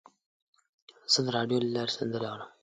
زه د راډیو له لارې سندرې اورم.